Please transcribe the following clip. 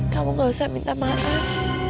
kamu gak usah minta maaf